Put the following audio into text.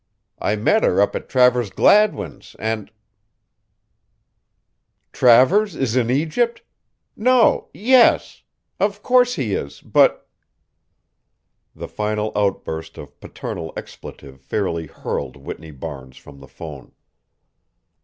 I met her up at Travers Gladwin's, and Travers is in Egypt! No, yes, of course he is, but The final outburst of paternal expletive fairly hurled Whitney Barnes from the phone.